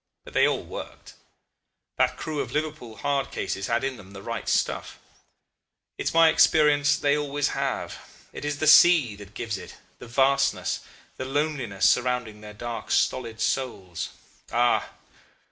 But they all worked. That crew of Liverpool hard cases had in them the right stuff. It's my experience they always have. It is the sea that gives it the vastness, the loneliness surrounding their dark stolid souls. Ah!